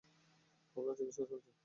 আমার চিকিৎসা চলছে।